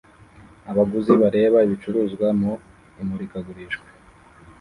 Abaguzi bareba ibicuruzwa mu imurikagurisha